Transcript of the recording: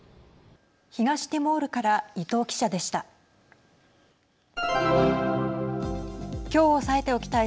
東ティモールから伊藤記者でした。